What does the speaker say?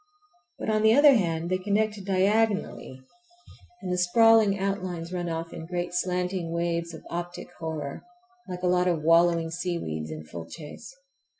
But, on the other hand, they connect diagonally, and the sprawling outlines run off in great slanting waves of optic horror, like a lot of wallowing seaweeds in full chase.